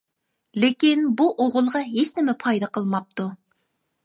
لېكىن بۇ ئوغۇلغا ھېچنېمە پايدا قىلماپتۇ.